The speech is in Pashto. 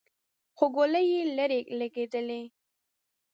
خو ګولۍ يې ليرې لګېدې.